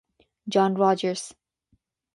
John Rogers.